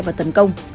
và tấn công